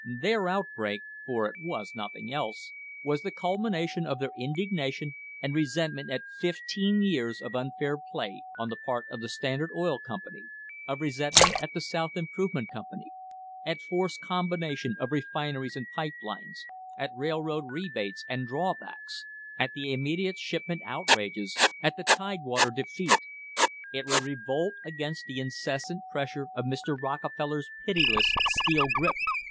Their outbreak, for it was nothing else, was the culmination of their indignation and resent ment at fifteen years of unfair play on the part of the Stand ard Oil Company, of resentment at the South Improvement Company, at forced combination of refineries and pipe lines, at railroad rebates and drawbacks, at the immediate ship ment outrages, at the Tidewater defeat. It was revolt against the incessant pressure of Mr. Rockefeller's pitiless steel grip.